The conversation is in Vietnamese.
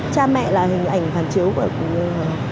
cha mẹ là hình ảnh phản chiếu của